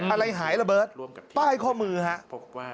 อะไรหายระเบิร์ตป้ายข้อมือครับ